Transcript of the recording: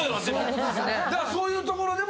そういうところよ。